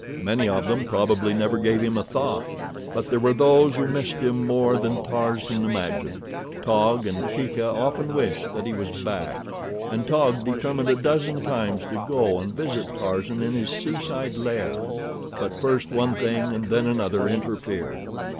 Many of them probably never gave him a thought; but there were those who missed him more than Tarzan imagined. Taug and Teeka often wished that he was back, and Taug determined a dozen times to go and visit Tarzan in his seaside lair; but first one thing and then another interfered.